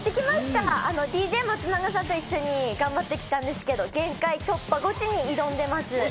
ＤＪ松永さんと一緒に頑張ってきたんですけど、限界突破ゴチに挑んでいます。